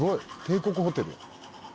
帝国ホテルや。